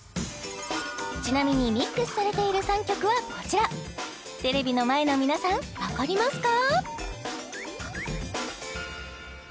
ちなみにミックスされている３曲はこちらテレビの前の皆さんわかりますか？